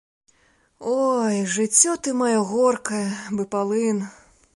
Ой, жыццё ты маё горкае, бы палын!